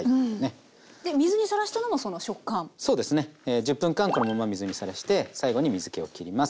１０分間このまま水にさらして最後に水けをきります。